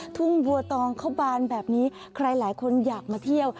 ทุ่งบัวตองเข้าบานแบบนี้ใครหลายคนอยากมาเที่ยว